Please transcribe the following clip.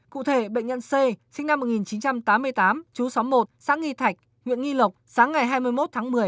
cụ thể bệnh nhân c sinh năm một nghìn chín trăm tám mươi tám chú xóm một xã nghi thạch huyện nghi lộc sáng ngày hai mươi một tháng một mươi